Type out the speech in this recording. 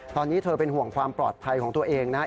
ตอนนี้เธอเป็นห่วงความปลอดภัยของตัวเองนะครับ